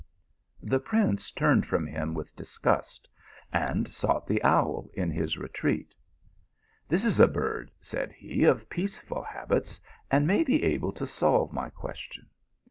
The prince turned from him with disgust, and sought the owl in his retreat. "This is a bird," said he, " of peaceful habits, and may be able to solve my question."